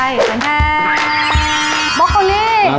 เย็นแท้